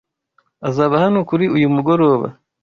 Azaba hano kuri uyu mugoroba.